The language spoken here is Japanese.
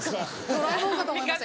ドラえもんかと思いました。